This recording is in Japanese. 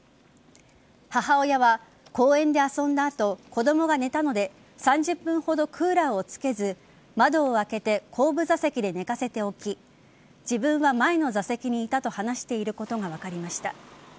母親は公園で遊んだ後子供が寝たので３０分ほどクーラーをつけず窓を開けて後部座席で寝かせておき自分は前の座席にいたと話していることが分かりました。